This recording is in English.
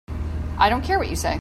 I don't care what you say.